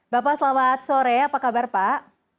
bapak selamat sore apa kabar pak